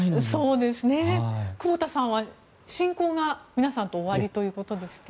久保田さんは親交が皆さんとおありということですね。